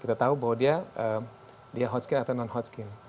kita tahu bahwa dia dia hodgkin atau non hodgkin